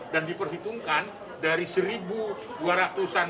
dan diperhitungkan dari satu dua ratus an yang